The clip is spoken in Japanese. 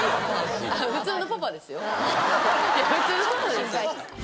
いや普通のパパですよ。